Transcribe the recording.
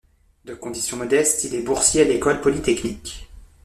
De condition modeste, il est boursier à l'École polytechnique.